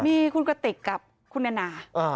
มีคุณกระติกกับคุณนานา